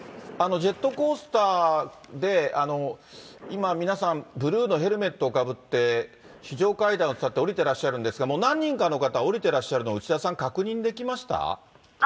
ジェットコースターで今、皆さん、ブルーのヘルメットをかぶって、非常階段を使って下りてらっしゃるんですが、何人かの方、下りてらっしゃるの、できました。